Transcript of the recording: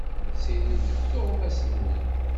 Ssiridet tuɣmas-nwen.